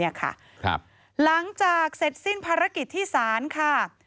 นี่ค่ะหลังจากเสร็จสิ้นภารกิจที่สารค่ะ